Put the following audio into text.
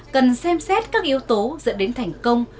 cần xem xét các yếu tố dẫn đến thành công